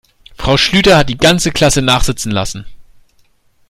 Frau Schlüter hat die ganze Klasse nachsitzen lassen.